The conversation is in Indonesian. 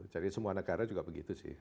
jadi semua negara juga begitu sih